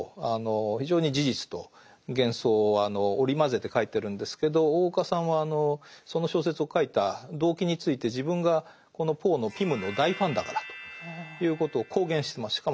非常に事実と幻想を織り交ぜて書いてるんですけど大岡さんはその小説を書いた動機について自分がこのポーの「ピム」の大ファンだからということを公言してます。